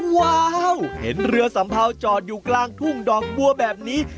ว้าวเห็นเรือสัมเภาจอดอยู่กลางทุ่งดอกบัวแบบนี้